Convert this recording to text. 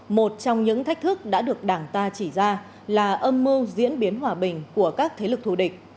một trong những thách thức đã được đảng ta chỉ ra là âm mưu diễn biến hòa bình của các thế lực thù địch